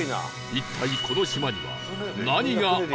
一体この島には何があるのか？